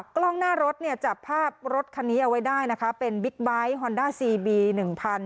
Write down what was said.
กล้องหน้ารถเนี่ยจับภาพรถคันนี้เอาไว้ได้นะคะเป็นบิ๊กไบท์ฮอนด้าซีบีหนึ่งคัน